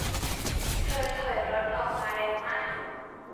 เธอถอยรถออกมาเร็วมาก